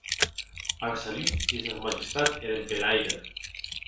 Ara salut de Sa Majestat er Emperaire!